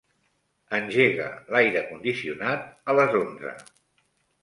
Engega l'aire condicionat a les onze.